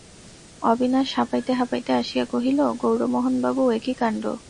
অবিনাশ হাঁপাইতে হাঁপাইতে আসিয়া কহিল, গৌরমোহনবাবু, এ কী কাণ্ড!